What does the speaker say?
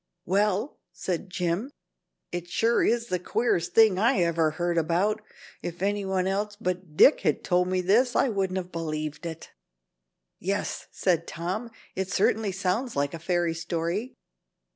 "Well," said Jim, "it sure is the queerest thing I ever heard about. If anyone else but Dick had told me this I wouldn't have believed it." "Yes," said Tom, "it certainly sounds like a fairy story."